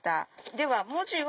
では文字は。